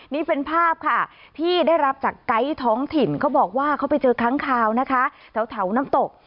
นี่เป็นภาพค่ะที่ได้รับจากไกด์ท้องถิ่นเขาบอกว่าเขาไปเจอค้างคาวนะคะแถวน้ำตก